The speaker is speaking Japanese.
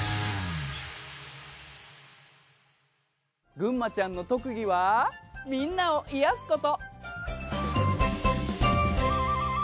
ぐんまちゃんの特技はみんなを癒やすこと。